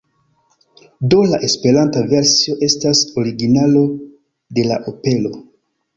Do la Esperanta versio estas originalo de la opero.